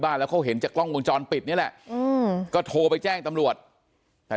บ้านก็เห็นจากกล้องวงจรปลิดนี้ก็โทรไปแจ้งตำรวจแต่